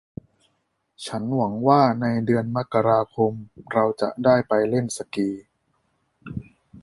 ฉันหวังว่าในเดือนมกราคมเราจะได้ไปเล่นสกี